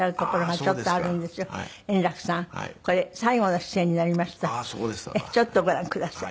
ちょっとご覧ください。